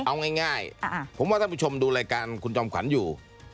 เอาง่ายผมว่าท่านผู้ชมดูรายการคุณจอมขวัญอยู่